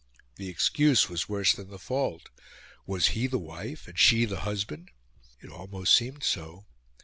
The excuse was worse than the fault: was he the wife and she the husband? It almost seemed so.